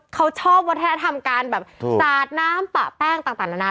เขาชอบวัฒนธรรมการแบบสาดน้ำปะแป้งต่างนานา